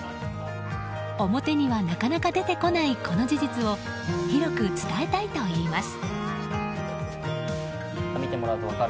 表には、なかなか出てこないこの事実を広く伝えたいといいます。